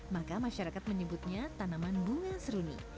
maka masyarakat menyebutnya tanaman bunga seruni